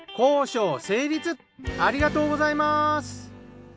ありがとうございます。